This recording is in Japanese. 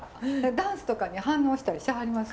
ダンスとかに反応したりしはります？